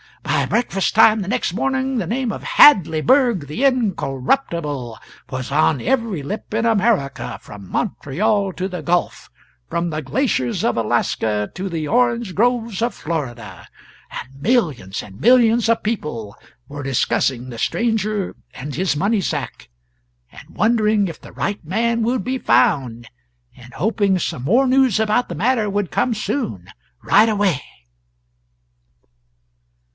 By breakfast time the next morning the name of Hadleyburg the Incorruptible was on every lip in America, from Montreal to the Gulf, from the glaciers of Alaska to the orange groves of Florida; and millions and millions of people were discussing the stranger and his money sack, and wondering if the right man would be found, and hoping some more news about the matter would come soon right away.